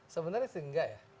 sebenarnya enggak ya